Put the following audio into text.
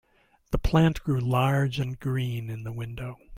The plant grew large and green in the window.